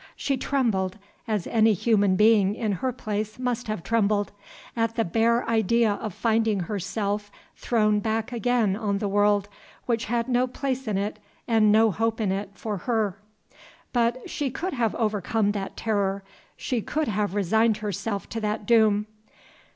She trembled as any human being in her place must have trembled at the bare idea of finding herself thrown back again on the world, which had no place in it and no hope in it for her. But she could have overcome that terror she could have resigned herself to that doom.